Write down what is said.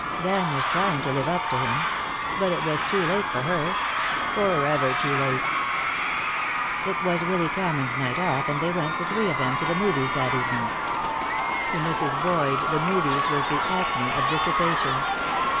Dan was trying to live up to him. But it was too late for her. Forever too late. It was Willy Cameron's night off, and they went, the three of them, to the movies that evening. To Mrs. Boyd the movies was the acme of dissipation.